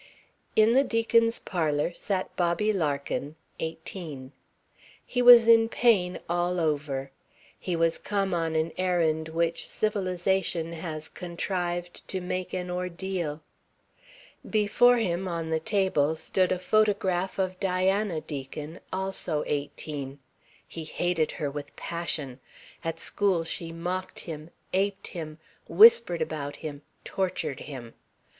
In the Deacons' parlour sat Bobby Larkin, eighteen. He was in pain all over. He was come on an errand which civilisation has contrived to make an ordeal. Before him on the table stood a photograph of Diana Deacon, also eighteen. He hated her with passion. At school she mocked him, aped him, whispered about him, tortured him.